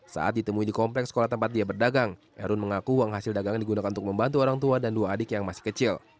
saat ditemui di kompleks sekolah tempat dia berdagang herun mengaku uang hasil dagangan digunakan untuk membantu orang tua dan dua adik yang masih kecil